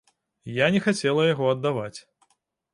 Я не хацела яго аддаваць.